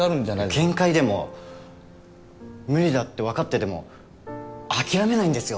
限界でも無理だって分かってても諦めないんですよ